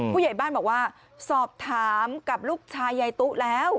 ผู้ใหญ่บ้านบอกว่าสอบถามกับลูกชายยายตุ๊แล้ว